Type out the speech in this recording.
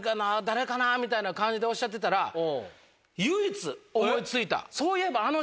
みたいな感じでおっしゃってたら唯一思い付いたそういえば。